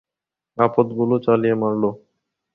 আপদগুলো জ্বালিয়ে মারলো।